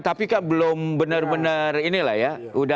tapi kan belum bener bener ini lah ya